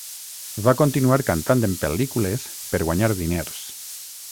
Va continuar cantant en pel·lícules per guanyar diners.